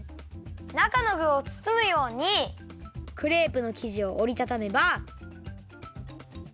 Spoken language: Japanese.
なかのぐをつつむようにクレープのきじをおりたためば。